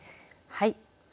はい。